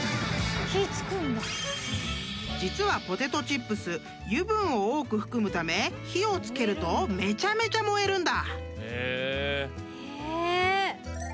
［実はポテトチップス油分を多く含むため火を付けるとめちゃめちゃ燃えるんだ］